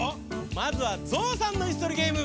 まずはゾウさんのいすとりゲーム。